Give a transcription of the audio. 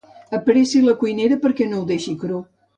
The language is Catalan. Apressi la cuinera perquè no ho deixi cru.